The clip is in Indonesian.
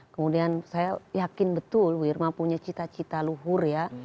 kemudian saya yakin betul bu irma punya cita cita luhur ya